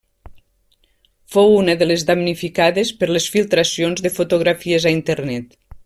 Fou una de les damnificades per les filtracions de fotografies a internet.